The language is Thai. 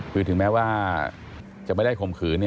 คือถึงแม้ว่าจะไม่ได้ข่มขืน